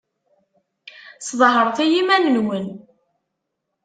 Sḍehret i yiman-nwen.